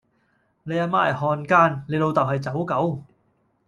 你阿媽係漢奸，你老竇係走狗